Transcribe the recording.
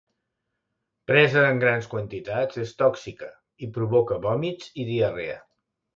Presa en grans quantitats és tòxica i provoca vòmits i diarrea.